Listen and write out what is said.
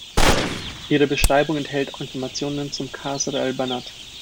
Ihre Beschreibung enthält auch Informationen zum Qasr al-Banat.